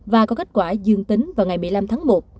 và có kết quả dương tính vào ngày một mươi năm tháng một